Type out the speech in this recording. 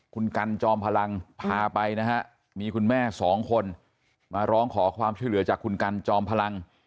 คุณกันจอมพลังพาไปนะฮะมีคุณแม่สองคนมาร้องขอความช่วยเหลือจากคุณกันจอมพลัง